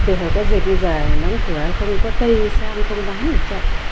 từ hồi ta về bây giờ nóng khỏe không có cây xa đi không vắng được chậm